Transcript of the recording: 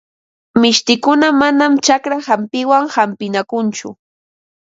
Mishtikuna manam chakra hampiwan hampinakunchu.